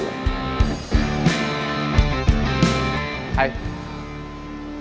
aku mau mencari teman yang lebih baik